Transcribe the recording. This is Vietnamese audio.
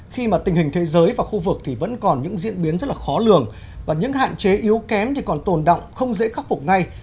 khi mà tình hình thế giới và khu vực thì vẫn còn những diễn biến rất là khó lường và những hạn chế yếu kém thì còn tồn động không dễ khắc phục ngay